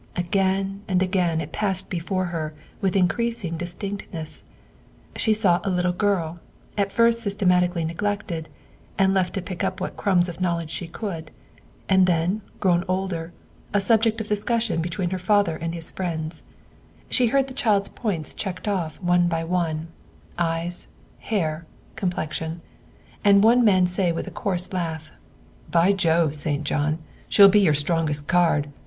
Again and again it passed before her with increasing dis tinctness. She saw a little girl, at first systematically neglected, and left to pick up what crumbs of knowledge she could, and then, grown older, a subject of discussion between her father and his friends ; she heard the child 's points THE SECRETARY OF STATE 225 checked off one by one, eyes, hair, complexion, and one man say with a coarse laugh: '' By Jove, St. John, she '11 be your strongest card